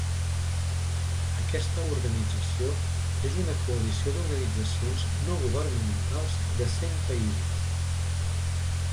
Aquesta organització és una coalició d’organitzacions no governamentals de cent països.